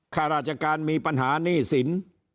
ข้าราชการมีปัญหาหนี้สิน